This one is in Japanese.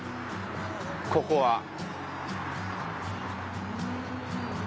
ここは。